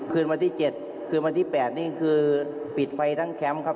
คืนวันที่๗คืนวันที่๘นี่คือปิดไฟทั้งแคมป์ครับ